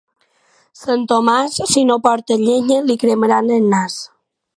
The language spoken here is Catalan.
Sant Tomàs, si no porta llenya, li cremaran el nas.